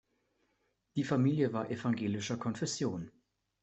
Die Familie war evangelischer Konfession.